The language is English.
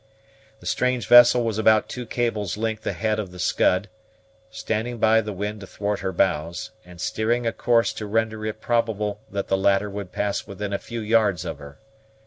The strange vessel was about two cables' length ahead of the Scud, standing by the wind athwart her bows, and steering a course to render it probable that the latter would pass within a few yards of her.